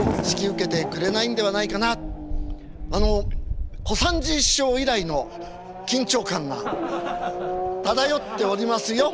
あの小三治師匠以来の緊張感が漂っておりますよ。